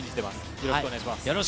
よろしくお願いします。